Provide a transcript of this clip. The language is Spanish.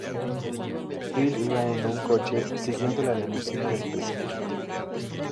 Hill iba en un coche, siguiendo la limusina del presidente.